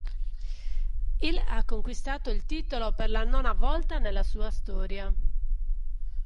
Il ha conquistato il titolo per la nona volta nella sua storia.